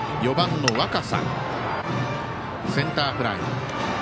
４番の若狭、センターフライ。